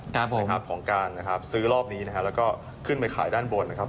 ของการซื้อรอบนี้ขึ้นมาขายด้านบนนะครับ